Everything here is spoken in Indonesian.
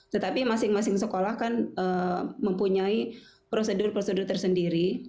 tetapi masing masing sekolah kan mempunyai prosedur prosedur tersendiri